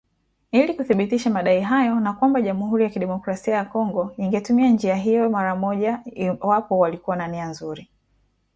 Ili kuthibitisha madai hayo na kwamba Jamhuri ya kidemokrasia ya Kongo ingetumia njia hiyo mara moja iwapo walikuwa na nia nzuri.